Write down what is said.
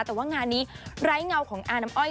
แต่ว่างานนี้ไร้เงาของอาน้ำอ้อย